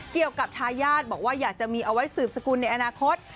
กับทายาทบอกว่าอยากจะมีเอาไว้สืบสกุลในอนาคต